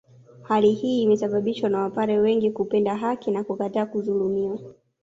Hali hii imesababishwa na wapare kupenda haki na kukataa kuzulumiwa